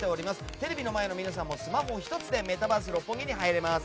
テレビの前の皆さんもスマホ１つでメタバース六本木に入れます。